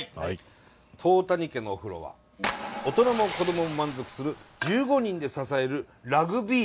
當谷家のお風呂は「大人も子供も満足する１５人で支えるラグビー湯！！」